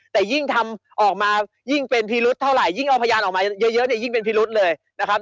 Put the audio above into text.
แต่ยิ่งทำออกมายิ่งเป็นพิรุษเท่าไหยิ่งเอาพยานออกมาเยอะเนี่ยยิ่งเป็นพิรุษเลยนะครับ